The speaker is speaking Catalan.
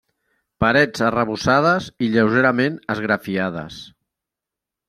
Parets arrebossades i lleugerament esgrafiades.